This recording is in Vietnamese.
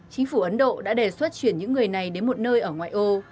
chính phủ ấn độ đã đề xuất chuyển những người này đến một nơi ở ngoại ô